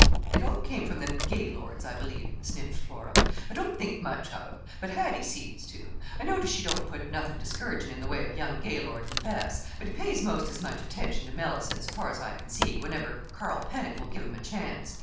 "It all came from them Gaylords, I believe," sniffed Flora. "I don't think much of 'em; but Hattie seems to. I notice she don't put nothin' discouragin' in the way of young Gaylord and Bess. But he pays 'most as much attention to Mellicent, so far as I can see, whenever Carl Pennock will give him a chance.